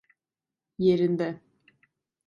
Yerinde…